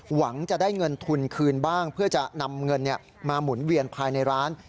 หวังจะได้เงินทุนคืนบ้างเพื่อจะนำเงินมาหมุนเวียนภายในร้าน